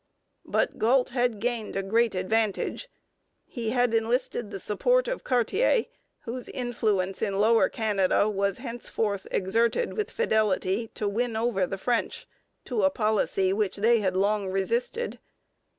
But Galt had gained a great advantage. He had enlisted the support of Cartier, whose influence in Lower Canada was henceforth exerted with fidelity to win over the French to a policy which they had long resisted.